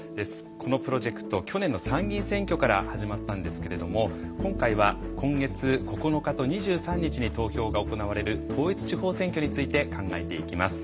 このプロジェクト去年の参議院選挙から始まったんですけれども今回は今月９日と２３日に投票が行われる統一地方選挙について考えていきます。